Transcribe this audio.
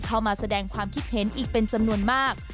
เข้ามาแสดงความคิดเห็นอีกเป็นจำนวนมาก